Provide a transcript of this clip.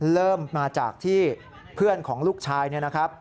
เริ่มมาจากที่เพื่อนของลูกชายเนี่ยนะครับ